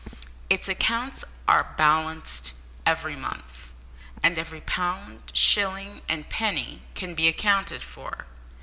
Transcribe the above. Its accounts are balanced every month, and every pound, shilling, and penny can be accounted for.